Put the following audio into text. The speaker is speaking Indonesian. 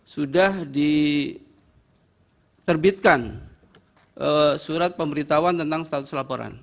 sudah diterbitkan surat pemberitahuan tentang status laporan